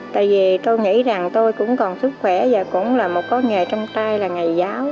tại vì tôi nghĩ rằng tôi cũng còn sức khỏe và cũng là một con nghề trong tay là ngày giáo